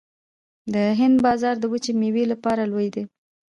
د هند بازار د وچې میوې لپاره لوی دی